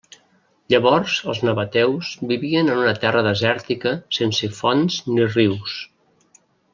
Llavors, els nabateus vivien en una terra desèrtica sense fonts ni rius.